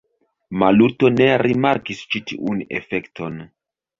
Maluto ne rimarkis ĉi tiun efekton.